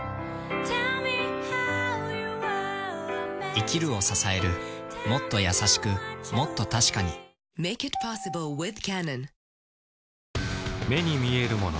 生きるを支えるもっと優しくもっと確かに目に見えるもの